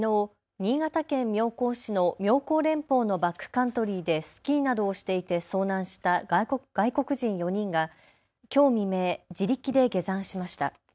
新潟県妙高市の妙高連峰のバックカントリーでスキーなどをしていて遭難した外国人４人がきょう未明、自力で下山しました。